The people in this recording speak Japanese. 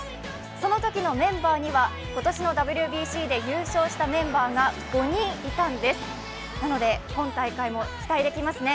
そのときのメンバーには今年のＷＢＣで優勝したメンバーが５人いたんです、なので今大会も期待できますね